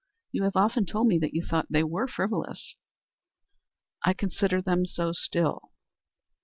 You have often told me that you thought they were frivolous." "I consider them so still."